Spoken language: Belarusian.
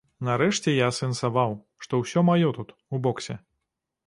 Нарэшце я асэнсаваў, што ўсё маё тут, у боксе.